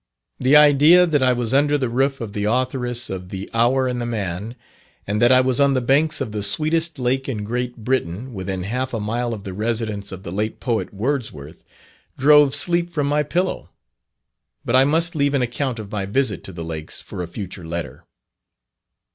The idea that I was under the roof of the authoress of "The Hour and the Man," and that I was on the banks of the sweetest lake in Great Britain, within half a mile of the residence of the late poet Wordsworth, drove sleep from my pillow. But I must leave an account of my visit to the Lakes for a future letter.